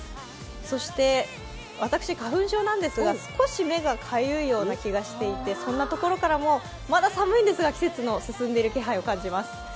そして私、花粉症なんですが、少し目がかゆいような気がしていてそんなところからも、まだ寒いんですけれども季節の進んでいる気配を感じます。